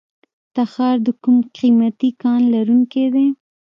تخار د کوم قیمتي کان لرونکی دی؟